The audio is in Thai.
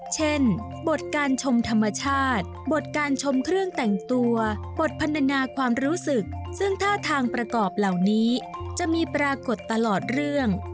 เช่นบทการชมธรรมชาติบทการชมเครื่องแต่งตัวบทพันธนาความรู้สึกซึ่งท่าทางประกอบเหล่านี้จะมีปรากฏตลอดเรื่อง